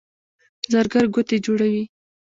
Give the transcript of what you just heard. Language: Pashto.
زرګر ګوتې جوړوي.